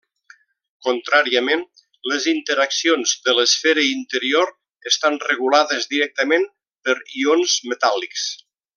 Contràriament, les interaccions de l'esfera interior estan regulades directament per ions metàl·lics.